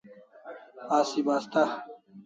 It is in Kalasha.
Asi basta